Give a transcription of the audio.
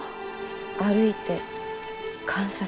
歩いて観察して。